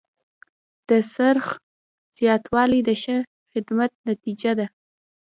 د خرڅ زیاتوالی د ښه خدمت نتیجه ده.